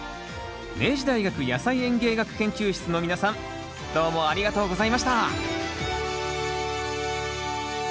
明治大学野菜園芸学研究室の皆さんどうもありがとうございました！